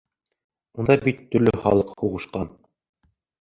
Унда бит төрлө халыҡ һуғышҡан.